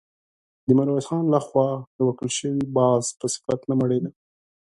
د ميرويس خان له خوا د ورکړل شوي باز په صفت نه مړېده.